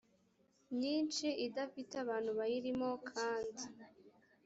myinshi idafite abantu bayirimo kandi